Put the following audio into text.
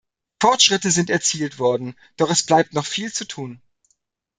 Fortschritte sind erzielt worden, doch es bleibt noch viel zu tun.